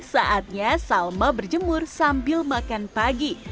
saatnya salma berjemur sambil makan pagi